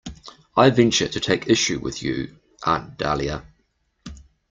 I venture to take issue with you, Aunt Dahlia.